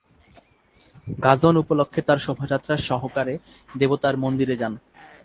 গাজন উপলক্ষ্যে তারা শোভাযাত্রা সহকারে দেবতার মন্দিরে যান।